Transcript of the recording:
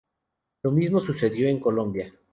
Lo mismo sucedió en Colombia.